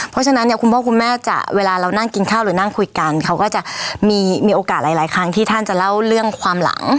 เพราะฉะนั้นเนี่ยคุณพ่อคุณแม่จะเวลาเรานั่งกินข้าวหรือนั่งคุยกันเขาก็จะมีโอกาสหลายครั้งที่ท่านจะเล่าเรื่องความหลัง